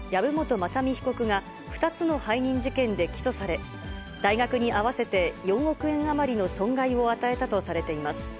雅巳被告が、２つの背任事件で起訴され、大学に合わせて４億円余りの損害を与えたとされています。